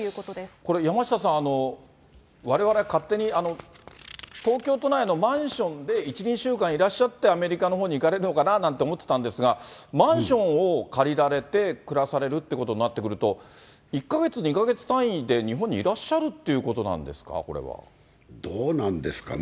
これ、山下さん、われわれ、勝手に東京都内のマンションで１、２週間いらっしゃって、アメリカのほうに行かれるのかななんて思ってたんですが、マンションを借りられて暮らされるってことになってくると、１か月、２か月単位で日本にいらっしゃるっていうことなんですか、これは。どうなんですかね。